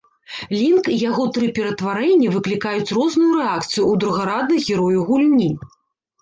Лінк і яго тры ператварэнні выклікаюць розную рэакцыю ў другарадных герояў гульні.